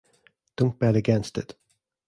Don't bet against it.